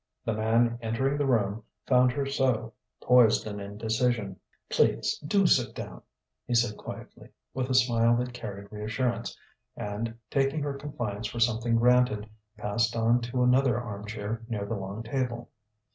The man entering the room found her so poised in indecision. "Please do sit down," he said quietly, with a smile that carried reassurance; and, taking her compliance for something granted, passed on to another arm chair near the long table.